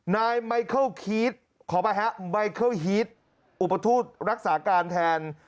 นายไมเคิลคีดขออภัยฮะไมเคิลฮีตอุปทูตรักษาการแทน